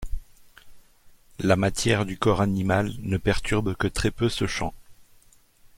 La matière du corps animal ne perturbe que très peu ce champ.